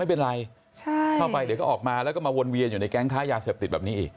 ไม่เป็นไรเข้าไปเดี๋ยวก็ออกมาแล้วก็มาวนเวียนอยู่ในแก๊งค้ายาเสพติดแบบนี้อีก